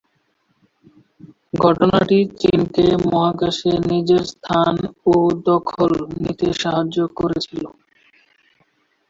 ঘটনাটি চীনকে মহাকাশে নিজের স্থান ও দখল নিতে সাহায্য করেছিল।